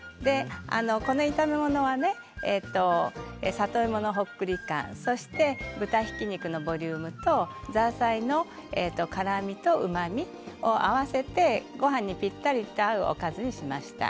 この炒め物は里芋のほっくり感そして豚ひき肉のボリュームとザーサイの辛みとうまみを合わせてごはんにぴったりと合うおかずにしました。